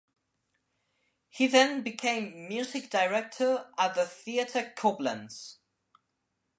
He then became music director of the Theater Koblenz.